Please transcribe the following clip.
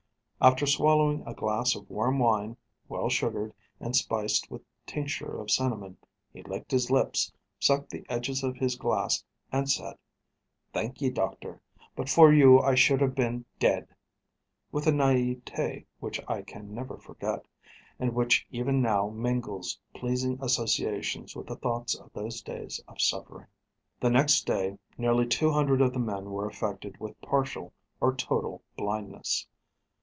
After swallowing a glass of warm wine, well sugared, and spiced with tincture of cinnamon, he licked his lips, sucked the edges of his glass, and said: 'Thank ye, doctor; but for you I should have been dead,' with a naïveté which I can never forget, and which even now mingles pleasing associations with the thoughts of those days of suffering. The next day nearly 200 of the men were affected with partial or total blindness.